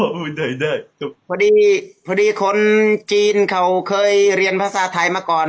อ๋อพูดไทยได้ครับพอดีพอดีคนจีนเขาเคยเรียนภาษาไทยมาก่อน